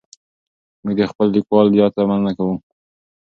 موږ د خپلو لیکوالو د زیار مننه کوو.